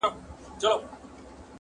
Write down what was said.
• چي خپلواک مي کړي له واک د غلامانو -